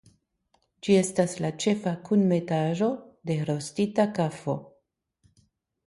Ĝi estas la ĉefa kunmetaĵo de rostita kafo.